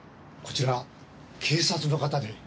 こちら警察の方で。